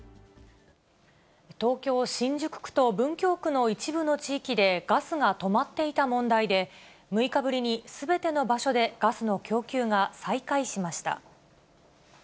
東京・新宿区と文京区の一部の地域で、ガスが止まっていた問題で、６日ぶりにすべての場所でガスの供給が再開しました。